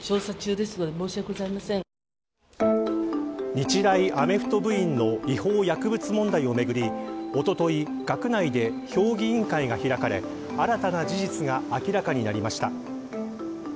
日大アメフト部員の違法薬物問題をめぐりおととい、学内で評議委員会が開かれ新たな事実が明らかになりました。